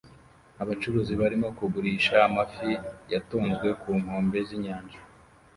Abacuruzi barimo kugurisha amafi yatonzwe ku nkombe z'inyanja